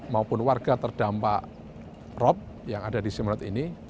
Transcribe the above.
maupun warga terdampak rob yang ada di simulet ini